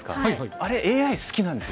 あれＡＩ好きなんですよ